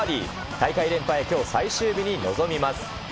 大会連覇へきょう、最終日に臨みます。